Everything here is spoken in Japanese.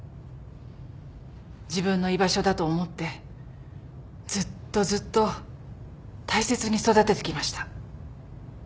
自分の居場所だと思ってずっとずっと大切に育ててきました。